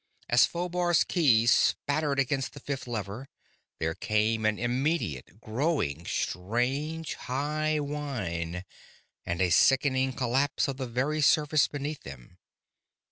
As Phobar's keys spattered against the fifth lever, there came an immediate, growing, strange, high whine, and a sickening collapse of the very surface beneath them.